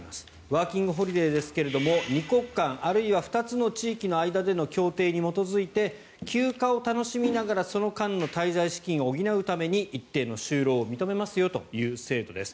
ワーキングホリデーですが２国間、あるいは２つの地域の間の協定に基づいて休暇を楽しみながらその間の滞在資金を補うために一定の就労を認めますよという制度です。